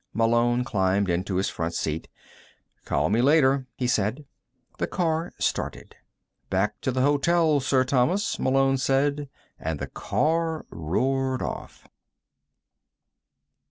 Malone climbed into his front seat. "Call me later," he said. The car started. "Back to the hotel, Sir Thomas," Malone said, and the car roared off.